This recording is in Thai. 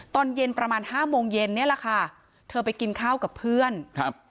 ตอนเย็นประมาณห้าโมงเย็นเนี่ยแหละค่ะเธอไปกินข้าวกับเพื่อนครับ